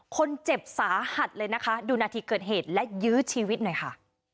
คนเจ็บสาหัสเลยนะคะดูนาทีเกิดเหตุและยื้อชีวิตหน่อยค่ะ